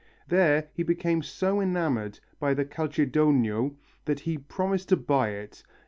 There he became so enamoured of the "calcedonio" that he proposed to buy it.